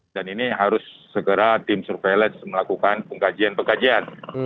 dan ini harus segera tim surveillance melakukan pengkajian pengkajian